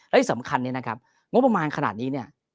และที่สำคัญเนี่ยนะครับงบประมาณขนาดนี้เนี่ย